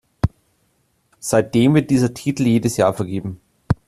Seitdem wird dieser Titel jedes Jahr vergeben.